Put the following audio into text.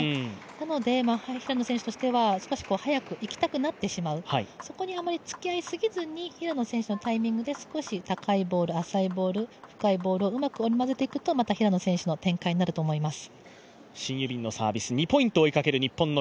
なので平野選手としては少し速くいきたくなってしまう、そこにあまりつきあいすぎずに、平野選手のタイミングで少し高いボール、浅いボール、深いボールをうまく織り交ぜていくとまた平野選手の展開になると思います。